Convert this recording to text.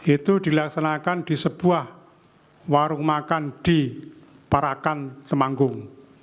itu dilaksanakan di sebuah warung makan di parakan semanggung